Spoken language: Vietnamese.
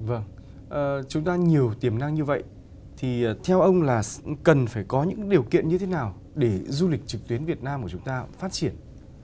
vâng chúng ta nhiều tiềm năng như vậy thì theo ông là cần phải có những điều kiện như thế nào để du lịch trực tuyến việt nam của chúng ta phát triển